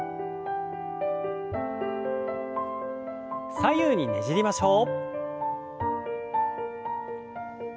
左右にねじりましょう。